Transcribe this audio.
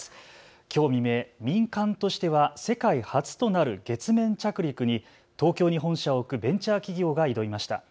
きょう未明、民間としては世界初となる月面着陸に東京に本社を置くベンチャー企業が挑みました。